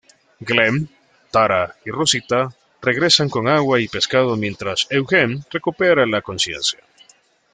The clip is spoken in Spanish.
Glenn, Tara y Rosita regresan con agua y pescado mientras Eugene recupera la conciencia.